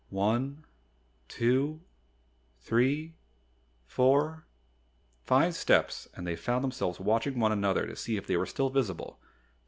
One two three four five steps and they found themselves watching one another to see if they were still visible.